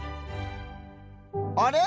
あれ？